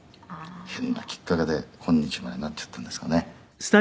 変なきっかけで今日までなっちゃったんですかね」